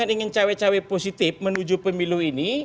saya ingin cawe cawe positif menuju pemilu ini